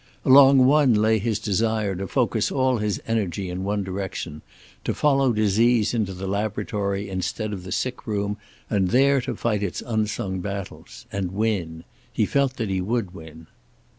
Along one lay his desire to focus all his energy in one direction, to follow disease into the laboratory instead of the sick room, and there to fight its unsung battles. And win. He felt that he would win.